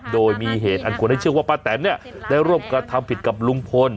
โดยมีเหตุอันควรให้เชื่อว่าป้าแตนเนี่ยได้ร่วมกระทำผิดกับลุงพล